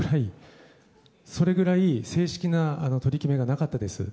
それぐらい正式な取り決めがなかったです。